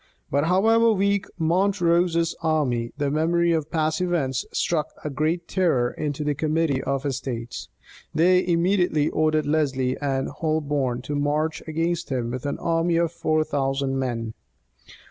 But however weak Montrose's army, the memory of past events struck a great terror into the committee of estates. They immediately ordered Lesley and Holborne to march against him with an army of four thousand men.